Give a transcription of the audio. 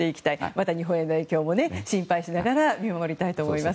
また日本への影響も心配しながら見守りたいと思います。